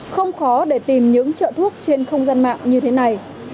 không khó để tìm những trợ thuốc trên không gian mạng như thế này